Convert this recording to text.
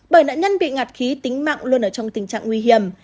bởi nạn nhân bị ngạt khí tính mạng luôn ở trong tình trạng nguy hiểm